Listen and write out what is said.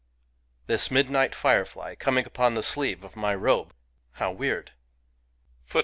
This midnight firefly coming upon the sleeve of my robe — how weird ^ I .